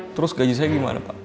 terus gaji saya gimana pak